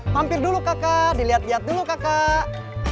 mampir dulu kakak dilihat lihat dulu kakak